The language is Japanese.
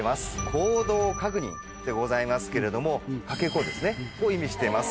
「行動確認」でございますけれどもかけ子を意味してます。